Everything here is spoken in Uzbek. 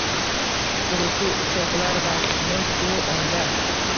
Qiruvchi uchoqlar vahmi shu onda